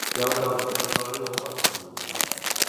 有舊同事個女同我同年